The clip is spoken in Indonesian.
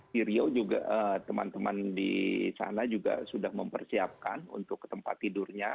di riau juga teman teman di sana juga sudah mempersiapkan untuk tempat tidurnya